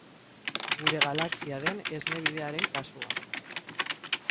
Gure galaxia den Esne Bidearen kasuan.